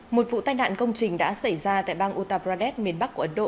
một vụ tai nạn công trình đã xảy ra tại bang uttar pradesh miền bắc của ấn độ